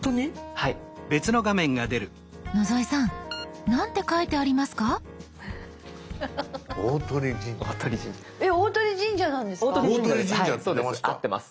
はいそうです。合ってます。